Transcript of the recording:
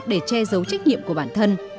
để che giấu trách nhiệm của bản thân